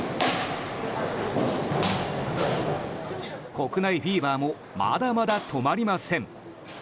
国内フィーバーもまだまだ止まりません。